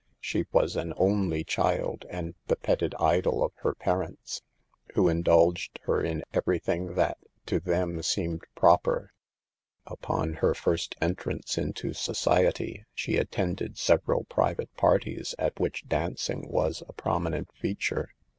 She was an only child and the petted idol of her parents, who in dulged her in everything that to them seemed proper. Upon her first entrance into society she attended several private parties at which dancing was a prominent feature.